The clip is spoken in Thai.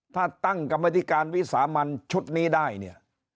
ถ้าตั้งกรรมธิการวิสามันชุดนี้ได้เนี่ย